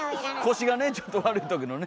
腰がねちょっと悪いときのね。